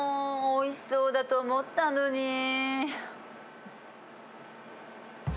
おいしそうだと思ったのに。